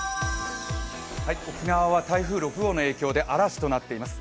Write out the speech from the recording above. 沖縄は台風６号の影響で嵐となっています。